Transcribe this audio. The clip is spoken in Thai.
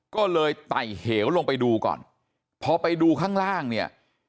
ก็เลยไต่เหวลงไปดูก่อนพอไปดูข้างล่างเนี่ย